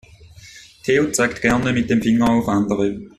Theo zeigt gerne mit dem Finger auf andere.